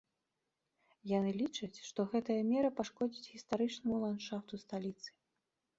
Яны лічаць, што гэтая мера пашкодзіць гістарычнаму ландшафту сталіцы.